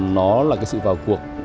nó là sự vào cuộc